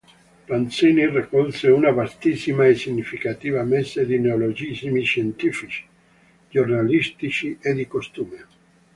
Panzini raccolse una vastissima e significativa messe di neologismi scientifici, giornalistici e di costume.